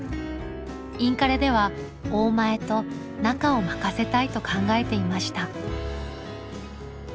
インカレでは「大前」と「中」を任せたいと考えていました。